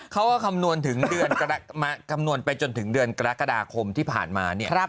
เขาก็คำนวณไปจนถึงเดือนกรกฎาคมที่ผ่านมา